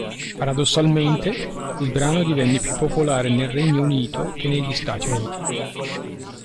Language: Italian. Paradossalmente, il brano divenne più popolare nel Regno Unito che negli Stati Uniti.